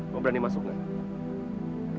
kamu berani masuk gak